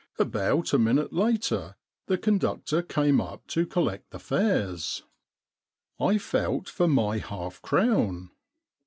About a minute later the conductor came up to collect the fares. I felt for my half crown.